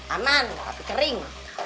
aman tapi kering